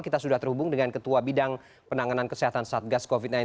kita sudah terhubung dengan ketua bidang penanganan kesehatan satgas covid sembilan belas